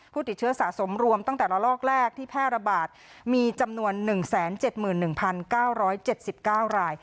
ผู้ติดเชื้อสะสมรวมตั้งแต่ละลอกแรกที่แพร่ระบาดมีจำนวน๑๗๑๙๗๙ราย